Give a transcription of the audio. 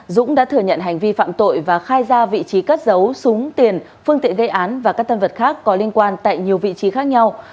dũng đã thừa nhận hành vi phạm tội và khai ra vị trí cất dấu súng tiền phương tiện gây án và các tân vật khác có liên quan tại nhiều vị trí khác nhau